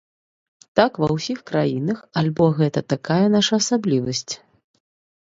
Так ва ўсіх краінах альбо гэта такая наша асаблівасць?